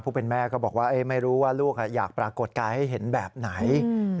แม่ก็บอกว่าไม่รู้ว่าลูกอยากปรากฏกายให้เห็นแบบไหน